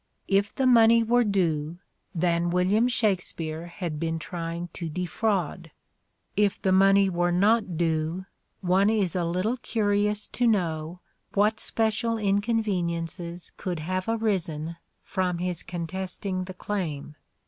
If the money were due then William Shakspere had been trying to defraud : if the money were not due one is a little curious to know what special in conveniences could have arisen from his contesting the claim.